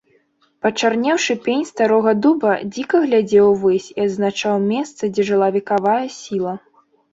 Пачарнеўшы пень старога дуба дзіка глядзеў увысь і адзначаў месца, дзе жыла векавая сіла.